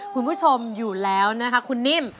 คุณผู้ชมอยู่แล้วนะคะคุณนิ่ม